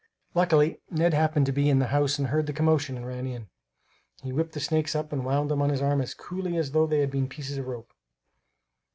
Luckily Ned happened to be in the house and heard the commotion and ran in. He whipped the snakes up and wound them about his arm as coolly as though they had been pieces of rope."